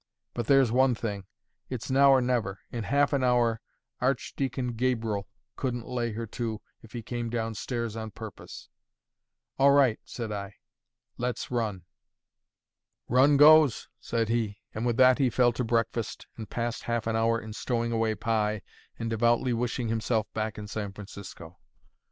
"But there's one thing: it's now or never; in half an hour, Archdeacon Gabriel couldn't lay her to, if he came down stairs on purpose." "All right," said I. "Let's run." "Run goes," said he; and with that he fell to breakfast, and passed half an hour in stowing away pie and devoutly wishing himself back in San Francisco.